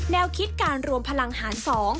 แนวคิดการรวมพลังหาร๒